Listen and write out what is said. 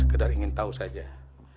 kalian yang sudah